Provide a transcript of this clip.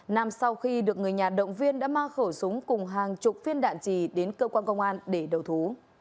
nam sau khi được người nhà động viên đã mang khẩu súng cùng hàng chục phiên đạn trì đến cơ quan công an để đầu thú